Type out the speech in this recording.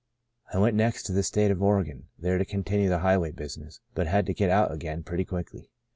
I went next to the state of Oregon, there to continue the highway business, but had to get out again pretty quickly.